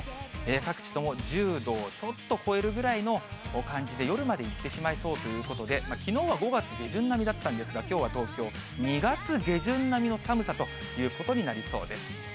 各地とも１０度をちょっと超えるぐらいの感じで、夜までいってしまいそうということで、きのうは５月下旬並みだったんですが、きょうは東京、２月下旬並みの寒さということになりそうです。